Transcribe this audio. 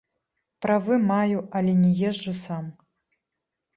Правы маю, але не езджу сам.